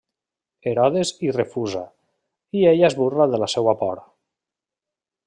Herodes hi refusa, i ella es burla de la seua por.